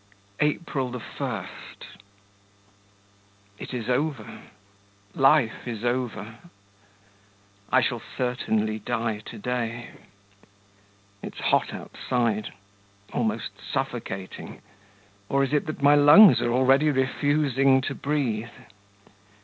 April 1. It is over.... Life is over. I shall certainly die to day. It's hot outside ... almost suffocating ... or is it that my lungs are already refusing to breathe?